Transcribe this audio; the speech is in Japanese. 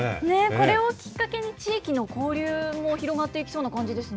これをきっかけに地域の交流も広がっていきそうな感じですね。